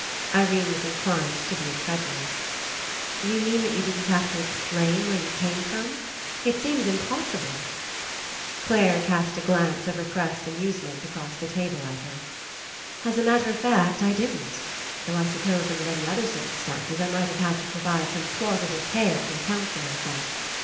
Irene was Inclined to be incredulous. "You mean that you didn't have to explain where you came from? It seems impossible." Clare cast a .glance of repressed amuse ment across the table at her. "As a matter of fact, I didn't. Though I suppose under any other circumstances I might have had to pro vide some plausible tale to account for myself.